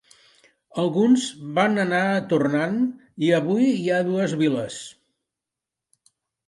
Alguns van anar tornant i avui hi ha dues viles.